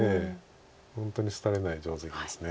本当にすたれない定石です。